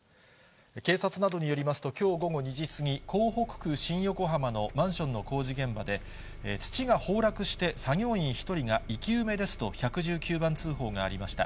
警察などによりますと、きょう午後２時過ぎ、港北区新横浜のマンションの工事現場で、土が崩落して作業員１人が生き埋めですと、１１９番通報がありました。